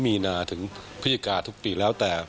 มีนาถึงพฤศจิกาทุกปีแล้วแต่